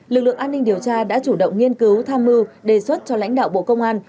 lực lượng an ninh điều tra đã chủ động nghiên cứu tham mưu đề xuất cho lãnh đạo bộ công an